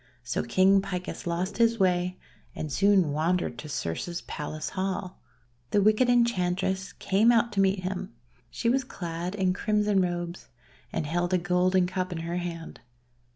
So King Picus lost his way, and soon wandered to Circe's Palace hall. The wicked Enchantress came out to meet him. She was clad in crimson robes, and held a golden cup in her hand.